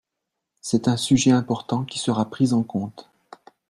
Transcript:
C’est un sujet important qui sera pris en compte.